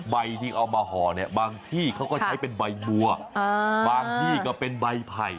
ใบที่เอามาห่อเนี่ยบางที่เขาก็ใช้เป็นใบบัวบางที่ก็เป็นใบไผ่